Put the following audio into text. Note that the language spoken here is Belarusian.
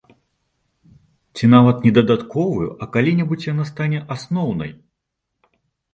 Ці нават не дадатковую, а калі-небудзь яна стане асноўнай.